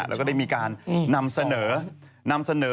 แล้วก็ได้มีการนำเสนอ